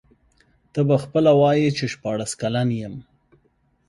ته به خپله وایې چي شپاړس کلن یم.